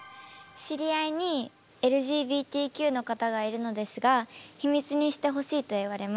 知り合いにＬＧＢＴＱの方がいるのですが「秘密にしてほしい」と言われます。